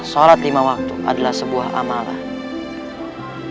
sholat lima waktu adalah sebuah amalan